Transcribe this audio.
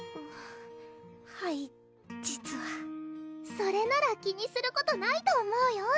はい実はそれなら気にすることないと思うよ・